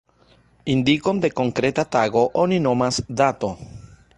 Indikon de konkreta tago oni nomas dato.